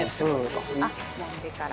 もんでから。